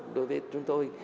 đối với chúng tôi